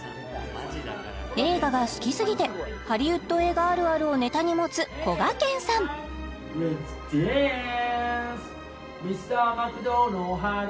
映画が好き過ぎてハリウッド映画あるあるをネタに持つこがけんさんレッツダンス！